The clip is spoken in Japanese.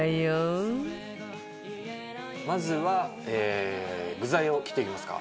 まずは具材を切っていきますか。